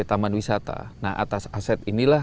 taman wisata nah atas aset inilah